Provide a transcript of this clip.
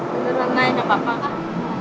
bener nay gak apa apa kak